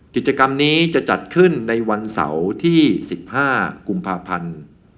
กิจกรรมนี้จะจัดขึ้นในวันเสาร์ที่๑๕กุมภาพันธ์